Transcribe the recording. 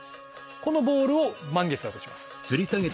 このボールを満月だとします。